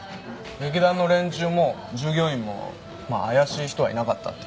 劇団の連中も従業員も怪しい人はいなかったって。